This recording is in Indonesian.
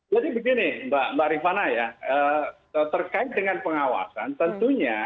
jadi begini mbak rifana ya terkait dengan pengawasan tentunya